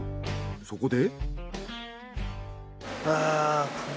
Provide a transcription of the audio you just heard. そこで。